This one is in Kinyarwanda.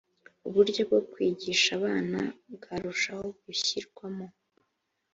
uburyo bwo kwigisha abana bwarushaho gushyirwamo